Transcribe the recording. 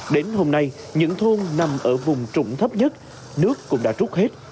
đến hôm nay những thôn nằm ở vùng trụng thấp nhất nước cũng đã rút hết